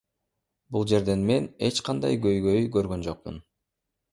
Бул жерден мен эч кандай көйгөй көргөн жокмун.